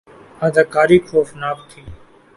اداکاری خوفناک تھی